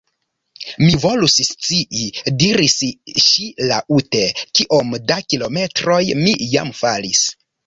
"Mi volus scii," diris ŝi laŭte, "kiom da kilometroj mi jam falis. »